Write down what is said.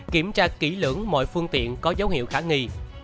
kiểm tra kỹ lưỡng mọi phương tiện có dấu hiệu khả nghi